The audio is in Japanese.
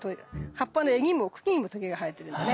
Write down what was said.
葉っぱの柄にも茎にもとげが生えてるんだね。